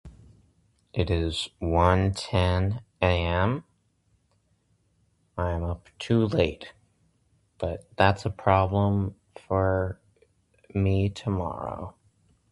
It is one ten AM. I'm up too late. But that's a problem for me tomorrow.